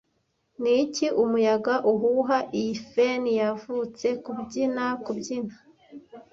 Niki umuyaga uhuha iyi fen yavutse kubyina kubyina